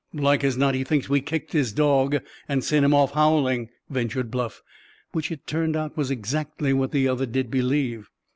"Like as not he thinks we kicked his dog and sent him off howling," ventured Bluff; which it turned out was exactly what the other did believe.